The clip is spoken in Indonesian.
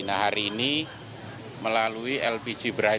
nah hari ini melalui lpg bright tiga kg pertamina memberi solusi itu